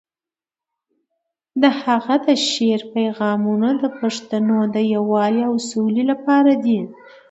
د هغه د شعر پیغامونه د پښتنو د یووالي او سولې لپاره دي.